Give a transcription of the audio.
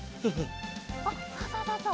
おっそうそうそうそう。